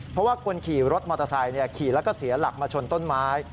เพราะว่าคนขี่รถมอเตอร์ไซค์ขี่แล้วก็เสียหลักมาชนต้นไม้